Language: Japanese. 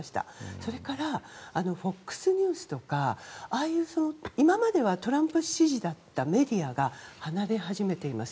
それから、ＦＯＸニュースとかああいう今まではトランプ支持だったメディアが離れ始めています。